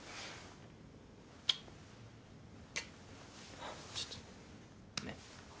あっちょっとねえ。